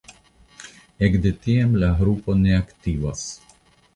Ekde tiam la grupo ne aktivas.